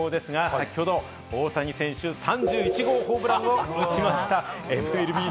先ほど大谷選手、３１号ホームランを打ちました。